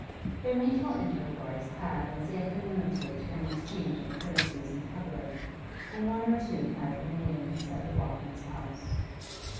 Their mutual intercourse had as yet been limited to an exchange of courtesies in public, and one or two casual meetings at the Walthams' house.